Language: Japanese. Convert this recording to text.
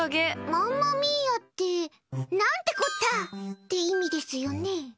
マンマミーアって「なんてこった」って意味ですよね。